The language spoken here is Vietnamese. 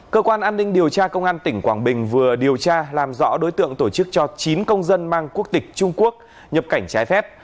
cơ quan an ninh điều tra công an tỉnh quảng bình vừa điều tra làm rõ đối tượng tổ chức cho chín công dân mang quốc tịch trung quốc nhập cảnh trái phép